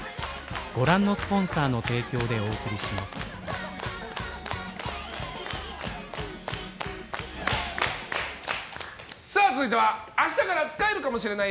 「システマ」続いては明日から使えるかもしれない！？